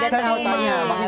nah saya mau tanya